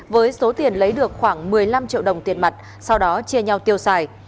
với số tiền lấy được khoảng một mươi năm triệu đồng tiền mặt sau đó chia nhau tiêu xài